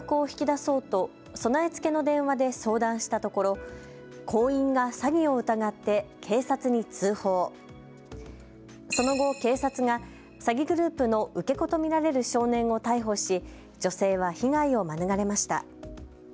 その後、警察が詐欺グループの受け子と見られる少年を逮捕し女性は被害を免れました。